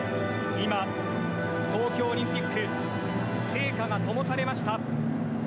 今、東京オリンピック、聖火がともされました。